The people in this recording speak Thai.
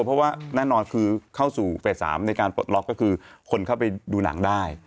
เพราะว่าแน่นอนคือเข้าสู่เฟส๓ในการปลดล็อกก็คือคนเข้าไปดูหนังได้